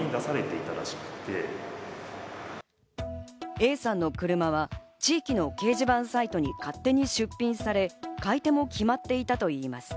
Ａさんの車は地域の掲示板サイトに勝手に出品され、買い手も決まっていたといいます。